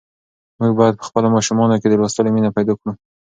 موږ باید په خپلو ماشومانو کې د لوستلو مینه پیدا کړو.